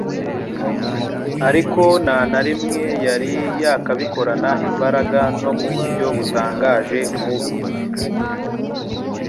ariko nta na rimwe yari yakabikorana imbaraga no mu buryo butangaje nk’ubwo.